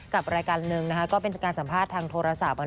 กับรายการหนึ่งนะคะก็เป็นการสัมภาษณ์ทางโทรศัพท์